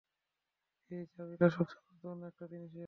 এই চাবিটা সবচেয়ে গুরুত্বপুর্ণ একটা জিনিসের।